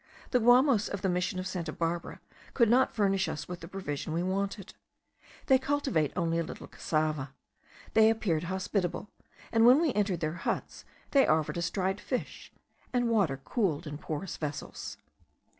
The Guamos of the mission of Santa Barbara could not furnish us with the provision we wanted. They cultivate only a little cassava. They appeared hospitable; and when we entered their huts, they offered us dried fish, and water cooled in porous vessels.